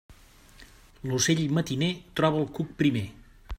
L'ocell matiner troba el cuc primer.